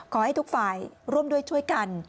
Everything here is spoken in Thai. ขอให้ทุกฝ่ายร่วมด้วยช่วยกัน